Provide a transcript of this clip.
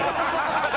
ハハハハ！